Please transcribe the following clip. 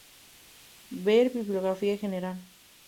Ver Bibliografía general